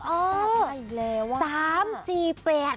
เออเลข๘อีกแล้ว